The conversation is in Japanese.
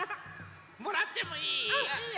もらってもいい？